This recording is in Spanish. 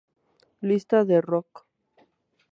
Listas de rock.